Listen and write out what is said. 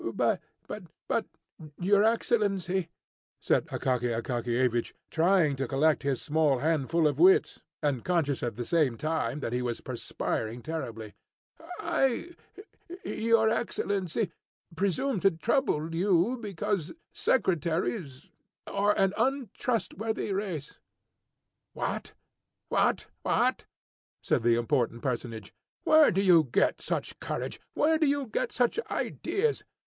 "But, your excellency," said Akaky Akakiyevich, trying to collect his small handful of wits, and conscious at the same time that he was perspiring terribly, "I, your excellency, presumed to trouble you because secretaries are an untrustworthy race." "What, what, what!" said the important personage. "Where did you get such courage? Where did you get such ideas?